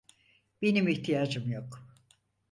Benim ihtiyacım yok.